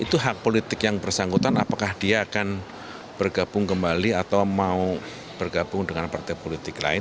itu hak politik yang bersangkutan apakah dia akan bergabung kembali atau mau bergabung dengan partai politik lain